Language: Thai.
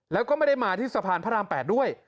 แล้วก็ไม่ได้มาที่สะพานพระราม๘ด้วย